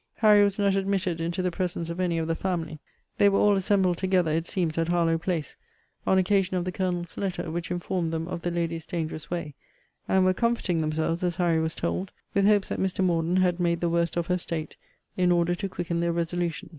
Harry was not admitted into the presence of any of the family. They were all assembled together, it seems, at Harlowe place, on occasion of the Colonel's letter, which informed them of the lady's dangerous way;* and were comforting themselves, as Harry was told, with hopes that Mr. Morden had made the worst of her state, in order to quicken their resolutions.